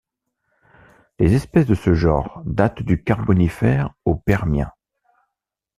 Les espèces de ce genre datent du Carbonifère au Permien.